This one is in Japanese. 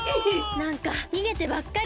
なんかにげてばっかり！